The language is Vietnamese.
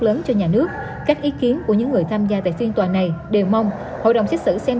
lớn cho nhà nước các ý kiến của những người tham gia tại phiên tòa này đều mong hội đồng xét xử xem